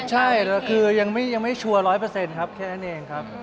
ใช่คือยังไม่ชัวร์ร้อยเปอร์เซ็นต์ครับแค่นั้นเองครับ